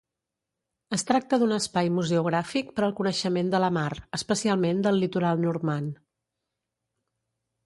Es tracta d'un espai museogràfic per al coneixement de la mar, especialment del litoral normand.